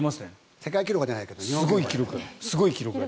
世界記録は出ないけど日本記録は。